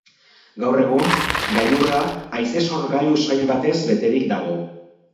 Gaur egun, gailurra haize-sorgailu sail batez beterik dago.